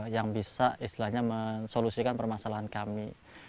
yang bisa menolosikan permasalahan kami